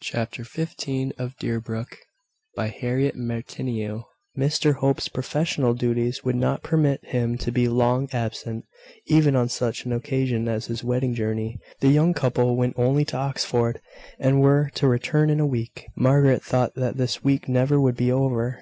CHAPTER FIFTEEN. MARIA AND MARGARET. Mr Hope's professional duties would not permit him to be long absent, even on such an occasion as his wedding journey. The young couple went only to Oxford, and were to return in a week. Margaret thought that this week never would be over.